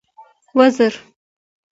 وزر.